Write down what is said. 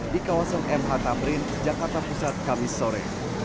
di kawasan mh tamrin jakarta pusat kamis sore